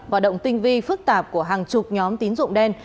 hoạt động tinh vi phức tạp của hàng chục nhóm tín dụng đen